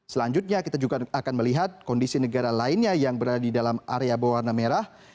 selanjutnya kita juga akan melihat kondisi negara lainnya yang berada di dalam area berwarna merah